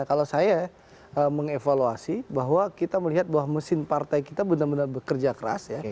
kalau saya mengevaluasi bahwa kita melihat bahwa mesin partai kita benar benar bekerja keras ya